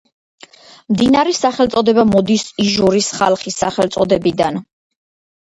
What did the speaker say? მდინარის სახელწოდება მოდის იჟორის ხალხის სახელწოდებიდან.